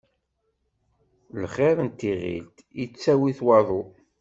Lxiṛ n tiɣilt, ittawi-t waḍu.